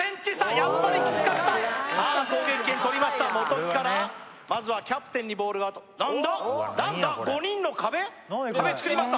やっぱりキツかったさあ攻撃権とりました元木からまずはキャプテンにボールが壁作りました